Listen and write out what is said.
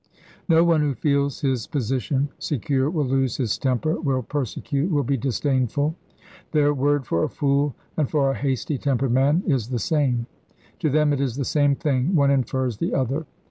No one who feels his position secure will lose his temper, will persecute, will be disdainful. Their word for a fool and for a hasty tempered man is the same. To them it is the same thing, one infers the other.